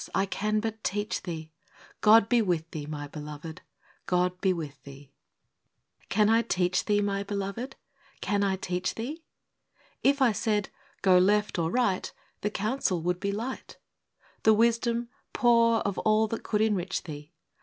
I can but teach thee, God be with thee, my beloved, — God be with thee ! Can I teach thee, my beloved — can I teach thee ? If I said, Go left or right, The counsel would be light, — The wisdom, poor of all that could enrich thee